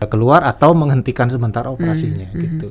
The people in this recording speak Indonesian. keluar atau menghentikan sementara operasinya